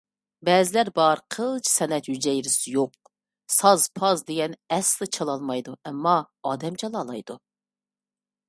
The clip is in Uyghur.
بەزىلەر بار، قىلچە سەنئەت ھۈجەيرىسى يوق، ساز-پاز دېگەننى ئەسلا چالالمايدۇ، ئەمما ئادەم چالالايدۇ.